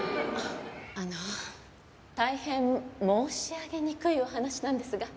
あの大変申し上げにくいお話なんですが。